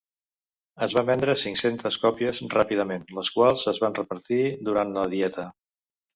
Es van vendre cinc-centes còpies ràpidament, les quals es van repartir durant la Dieta.